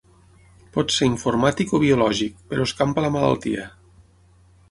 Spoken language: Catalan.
Pot ser informàtic o biològic, però escampa la malaltia.